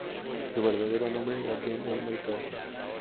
Su verdadero nombre era John Elmer Carson.